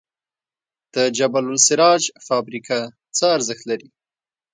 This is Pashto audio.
د جبل السراج فابریکه څه ارزښت لري؟